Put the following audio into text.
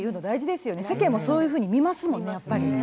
世間もそういうふうに見ますものね。